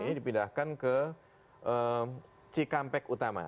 terus kita pindahkan ke cikampek utama